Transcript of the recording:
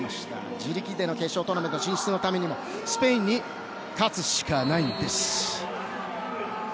自力での決勝トーナメント進出のためにもスペインに勝つしかないんです。